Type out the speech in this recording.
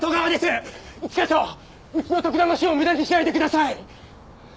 一課長うちの徳田の死を無駄にしないでください！